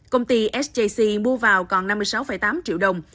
công ty sjc mua vào còn năm mươi sáu tám triệu đồng